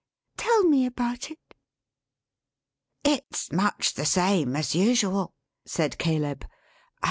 "Tell me about it." "It's much the same as usual," said Caleb.